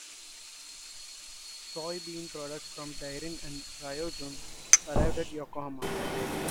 Soy bean products from Dairen and Ryojun arrived at Yokohama.